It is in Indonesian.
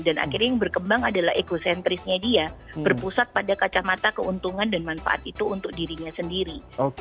dan akhirnya yang berkembang adalah ekosentrisnya dia berpusat pada kacamata keuntungan dan manfaat itu untuk dirinya sendiri